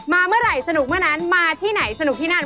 มาเมื่อไหร่สนุกเมื่อนั้นมาที่ไหนสนุกที่นั่น